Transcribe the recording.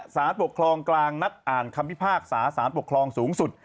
สารปกครองกลางนัดอ่านคำพิพากษาสารปกครองสูงสุด